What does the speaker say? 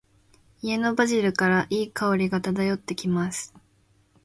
家のバジルから、良い香りが漂ってきます。